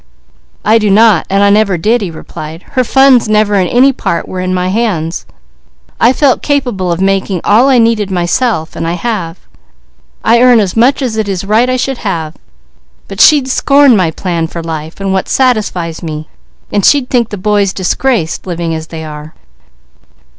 "I do not, and I never did," he replied. "Her funds never in any part were in my hands. I felt capable of making all I needed myself, and I have. I earn as much as it is right I should have; but she'd scorn my plan for life and what satisfies me; and she'd think the boys disgraced, living as they are."